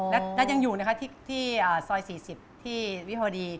และยังอยู่ที่ซอย๔๐ที่วิธีภดี